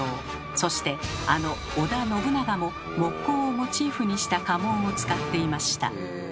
そしてあの織田信長も木瓜をモチーフにした家紋を使っていました。